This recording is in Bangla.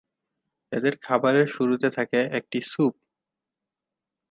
এদের খাবারের শুরুতে থাকে একটি স্যুপ।